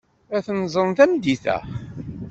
Ad ten-ẓren tameddit-a.